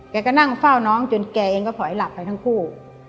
แกก็นั่งเฝ้าน้องจนแกเองก็ถอยหลับไปทั้งคู่